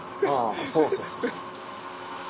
そうそうそう。